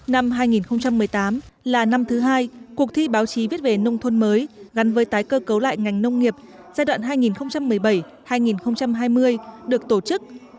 năm hai nghìn một mươi tám là năm thứ hai cuộc thi báo chí viết về nông thôn mới gắn với tái cơ cấu lại ngành nông nghiệp giai đoạn hai nghìn một mươi bảy hai nghìn hai mươi được tổ chức